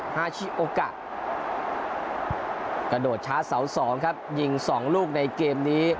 ฮาชิโอกะกระโดดช้าเสาสองครับยิงสองลูกในเกมนี้